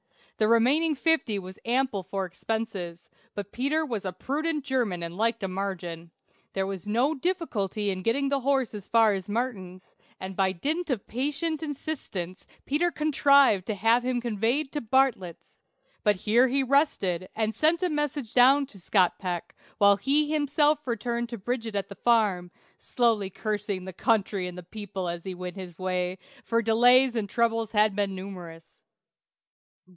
The remaining fifty was ample for expenses; but Peter was a prudent German and liked a margin. There was no difficulty in getting the horse as far as Martin's, and by dint of patient insistence Peter contrived to have him conveyed to Bartlett's; but here he rested and sent a messenger down to Scott Peck, while he himself returned to Bridget at the farm, slowly cursing the country and the people as he went his way, for his delays and troubles had been numerous.